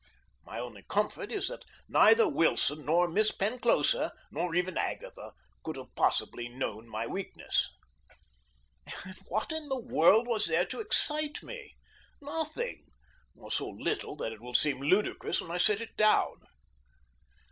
My only comfort is that neither Wilson nor Miss Penclosa nor even Agatha could have possibly known my weakness. And what in the world was there to excite me? Nothing, or so little that it will seem ludicrous when I set it down.